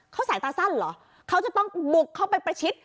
เขาสายตาสั้นเหรอเขาจะต้องบุกเข้าไปประชิด